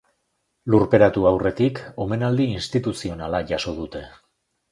Lurperatu aurretik, omenaldi instituzionala jaso dute.